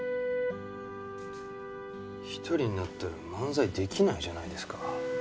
一人になったら漫才できないじゃないですか。